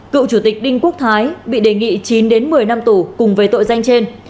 cựu chủ tịch đinh quốc thái bị đề nghị chín một mươi năm tù cùng với tội danh trên